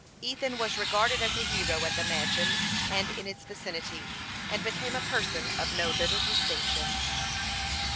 Ethan was regarded as a hero at the mansion and in its vicinity, and became a person of no little distinction.